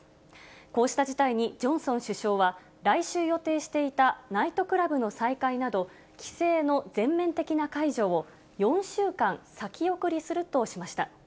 こうした事態に、ジョンソン首相は、来週予定していたナイトクラブの再開など、規制の全面的な解除を４週間先送りするとしました。